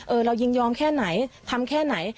เรายินยอมแค่ไหนทำแค่ไหน